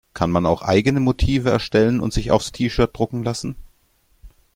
Kann man auch eigene Motive erstellen und sich aufs T-Shirt drucken lassen?